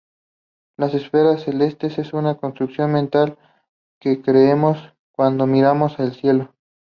La esfera celeste es una construcción mental que creamos cuando miramos al cielo.